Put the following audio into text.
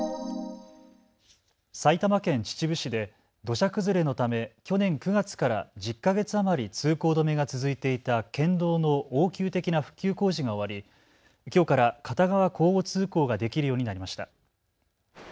埼玉県秩父市で土砂崩れのため去年９月から１０か月余り通行止めが続いていた県道の応急的な復旧工事が終わりきょうから片側交互通行ができるようになりました。